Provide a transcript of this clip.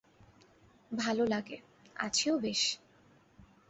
ভাল লাগে, আছিও বেশ।